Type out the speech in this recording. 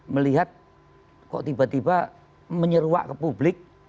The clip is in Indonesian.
melihat kok tiba tiba menyeruak ke publik